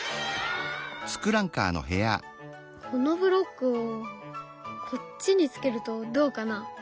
このブロックをこっちにつけるとどうかな？